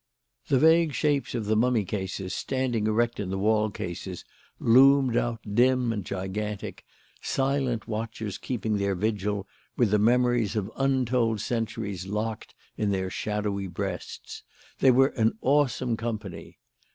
The vague shapes of the mummy cases standing erect in the wall cases, loomed out dim and gigantic, silent watchers keeping their vigil with the memories of untold centuries locked in their shadowy breasts. They were an awesome company.